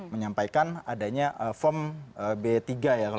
menyampaikan adanya form b tiga ya